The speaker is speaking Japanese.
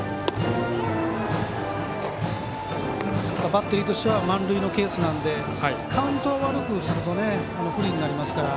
バッテリーとしては満塁のケースなんでカウントを悪くすると不利になりますから。